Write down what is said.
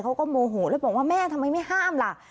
โมโหแล้วบอกว่าแม่ทำไมไม่ห้ามล่ะ